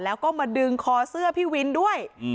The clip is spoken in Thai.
แล้วก็มาดึงคอเสื้อพี่วินด้วย